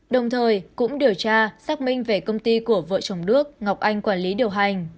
đồng thời cũng điều tra xác minh về công ty của vợ chồng đức ngọc anh quản lý điều hành